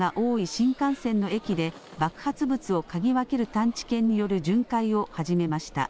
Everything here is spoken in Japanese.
新幹線の駅で爆発物をかぎ分ける探知犬による巡回を始めました。